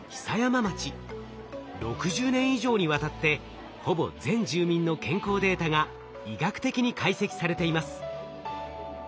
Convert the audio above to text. ６０年以上にわたってほぼ全住民の健康データが医学的に解析されています。